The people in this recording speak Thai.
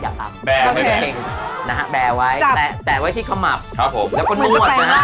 อย่ากลำแบลไว้เฉ็นเองนะฮะแบลไว้แปะไว้ที่ขมับแล้วก็นวดนะฮะ